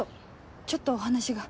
ちょっとお話が。